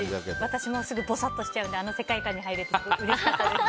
私もすぐぼさっとしちゃうのであの世界観に入れてすごくうれしかったです。